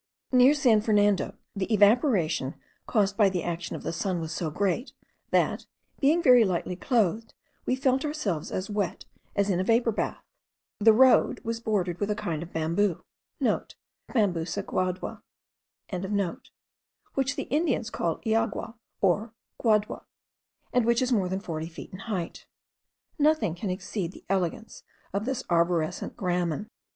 Near San Fernando the evaporation caused by the action of the sun was so great that, being very lightly clothed, we felt ourselves as wet as in a vapour bath. The road was bordered with a kind of bamboo,* (* Bambusa guadua.) which the Indians call iagua, or guadua, and which is more than forty feet in height. Nothing can exceed the elegance of this arborescent gramen.